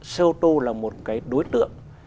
xe ô tô là một đối tượng